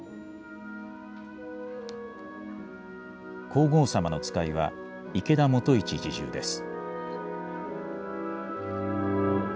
皇后さまの使いは、池田元一侍従です。